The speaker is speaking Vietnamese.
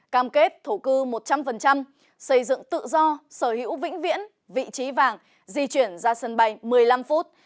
cam kết thổ cư một trăm linh xây dựng tự do sở hữu vĩnh viễn vị trí vàng di chuyển ra sân bay một mươi năm phút